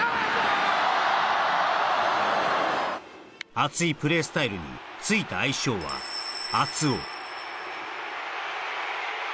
熱いプレースタイルについた愛称は「熱男」